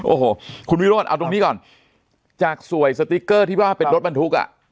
โอ้โหคุณวิโรธเอาตรงนี้ก่อนจากสวยสติ๊กเกอร์ที่ว่าเป็นรถบรรทุกอ่ะ